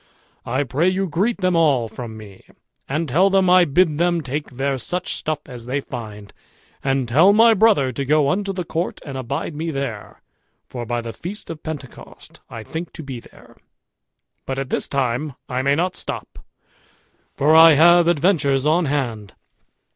I pray you greet them all from me, and tell them I bid them take there such stuff as they find; and tell my brother to go unto the court and abide me there, for by the feast of Pentecost I think to be there; but at this time I may not stop, for I have adventures on hand."